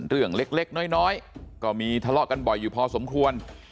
เรื่องเล็กน้อยก็มีทะเลาะกันบ่อยอยู่พอสมควร